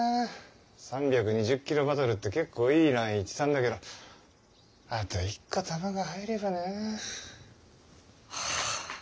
３２０キロバトルって結構いいラインいってたんだけどあと１個球が入ればな。は。